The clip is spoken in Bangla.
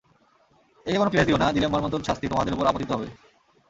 একে কোন ক্লেশ দিও না, দিলে মর্মন্তুদ শাস্তি তোমাদের উপর আপতিত হবে।